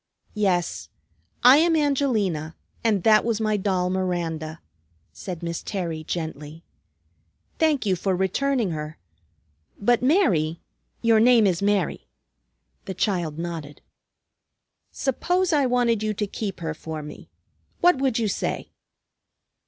"Yes, I am Angelina, and that was my doll Miranda," said Miss Terry gently. "Thank you for returning her. But Mary, your name is Mary?" The child nodded. "Suppose I wanted you to keep her for me, what would you say?"